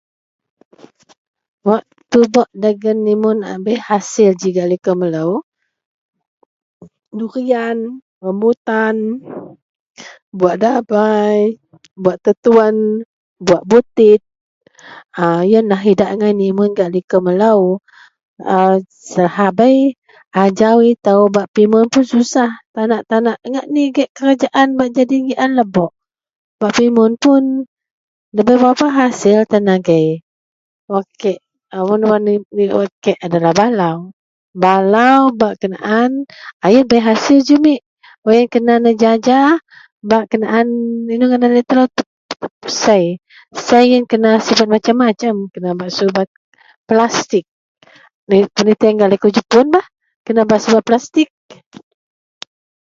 Wak tubok dagen nimun a bei hasil ji gak liko melo durian rambutan buwak dabai buwak tetuwen buwak butit a iyen lah idak angai nimun gak liko melo lah abei ajau ito bak pimun puon susah tanak-tanak ngak nigek kerajaan bak jadi gian lebok bak pimun puon da bei berapa asil agei wak kek wak kek adalah balau, balau bak kenaan bei asil jumit a iyen wak iyen kena nejaja bak kenaan ino ngadan laei telo sei, sei iyen kena bak subet masem-masem kena bak subet plastik peniteng gak liko jepun bah kena bak sibet plastik.